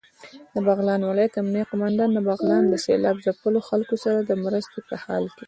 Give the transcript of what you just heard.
دبغلان ولايت امنيه قوماندان دبغلان د سېلاب ځپلو خلکو سره دمرستې په حال کې